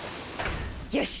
よし！